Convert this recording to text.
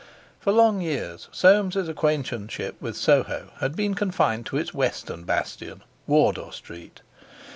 For long years Soames' acquaintanceship with Soho had been confined to its Western bastion, Wardour Street.